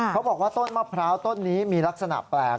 เขาบอกว่าต้นมะพร้าวต้นนี้มีลักษณะแปลก